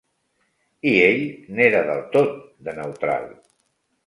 I ell n'era del tot de neutral